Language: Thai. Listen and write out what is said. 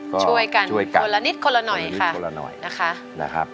ช่วยกันคนละนิดคนละหน่อยค่ะ